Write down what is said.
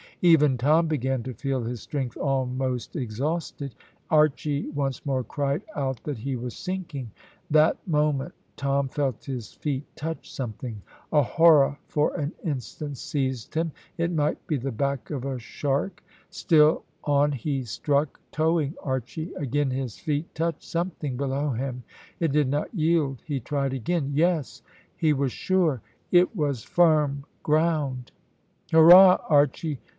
Even Tom began to feel his strength almost exhausted. Archy once more cried out that he was sinking. That moment Tom felt his feet touch something; a horror for an instant seized him. It might be the back of a shark; still on he struck, towing Archy. Again his feet touched something below him; it did not yield. He tried again. Yes, he was, sure; it was firm ground. "Hurrah, Archy!